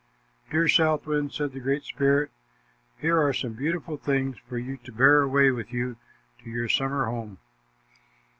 "Dear southwind," said the Great Spirit "here are some beautiful things for you to bear away with, you to your summer home.